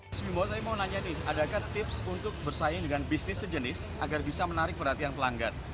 mas wimbo saya mau nanya nih adakah tips untuk bersaing dengan bisnis sejenis agar bisa menarik perhatian pelanggan